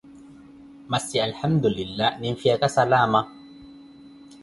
Masi alihandu linlahi, niifhiyaka salama.